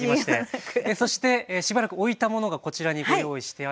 そしてしばらく置いたものがこちらにご用意してあります。